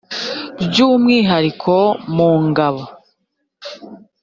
by umwihariko mu ngabo